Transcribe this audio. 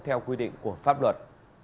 theo quy định của pháp luật